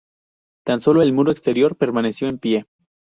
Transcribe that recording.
Tan sólo el muro exterior permaneció en pie.